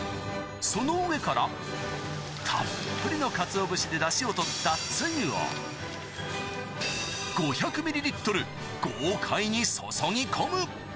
その上から、たっぷりのかつお節でだしをとったつゆを、５００ミリリットル、豪快にそそぎ込む。